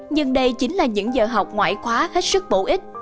nhưng đây chính là những giờ học ngoại khóa hết sức bổ ích